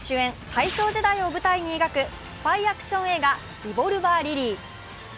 大正時代を舞台に描くスパイアクション映画「リボルバー・リリー」。